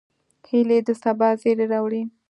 هیلۍ د سبا زیری راوړي